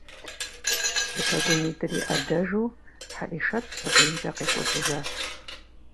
Псы пэгунитӏыр и ӏэдэжу Хьэӏишэт псыкъуиймкӏэ къекӏуэкӏыжащ.